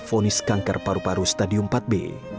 fonis kanker paru paru stadium empat b